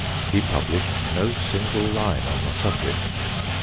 He published no single line on the subject.